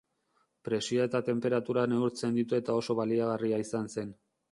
Presioa eta tenperatura neurtzen ditu eta oso baliagarria izan zen.